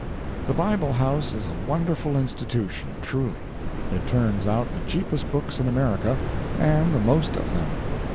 The Bible House is a wonderful institution, truly. It turns out the cheapest books in America, and the most of them.